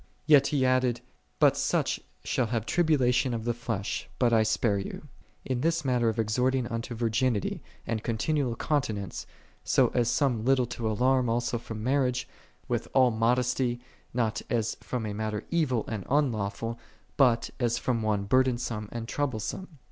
" 16. Yet he added, "But such shall have Iribulalion of the flesh, bul I spare you: "8 in this manner exhorting unto virginity, and con tinual continence, so as some little to alarm also from marriage, with all modesty, not as from a mailer evil and unlawful, but as from one burdensome and troublesome.